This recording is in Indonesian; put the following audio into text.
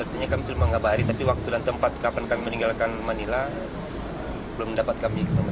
artinya kami sudah mengabari tapi waktu dan tempat kapan kami meninggalkan manila belum dapat kami